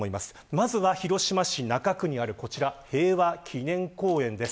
まずは広島市中区にある平和記念公園です。